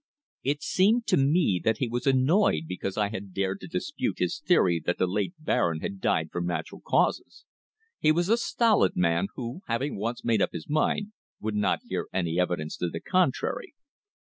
It seemed to me that he was annoyed because I had dared to dispute his theory that the late Baron had died from natural causes. He was a stolid man, who, having once made up his mind, would not hear any evidence to the contrary.